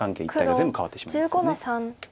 全部かわってしまいますよね。